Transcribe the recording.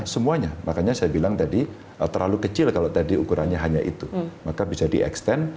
semuanya makanya saya bilang tadi terlalu kecil kalau tadi ukurannya hanya itu maka bisa di extend